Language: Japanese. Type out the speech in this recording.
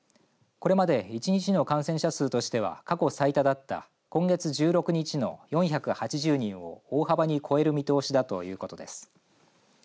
これまで１日の感染者数としては過去最多だった今月１６日の４８０人を大幅に超える見通しだということです。